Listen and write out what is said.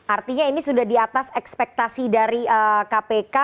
artinya ini sudah di atas ekspektasi dari kpk